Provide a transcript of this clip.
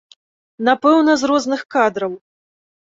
Напэўна, з розных кадраў.